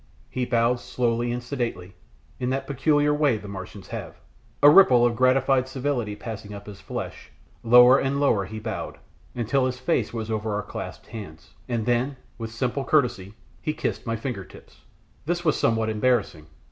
He bowed slow and sedately, in that peculiar way the Martians have, a ripple of gratified civility passing up his flesh; lower and lower he bowed, until his face was over our clasped hands, and then, with simple courtesy, he kissed my finger tips! This was somewhat embarrassing.